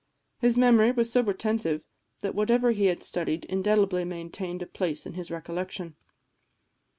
His memory was so retentive that whatever he had studied indelibly maintained a place in his recollection.